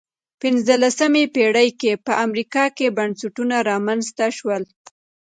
پنځلسمې پېړۍ کې په امریکا کې بنسټونه رامنځته شول.